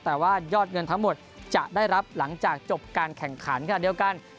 แต่ว่ายอดเงินทั้งหมดจะได้รับหลังจากจบการแข่งขันขณะเดียวกัน